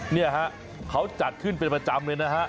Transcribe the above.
เนี่ยฮะเขาจัดขึ้นเป็นประจำเลยนะฮะ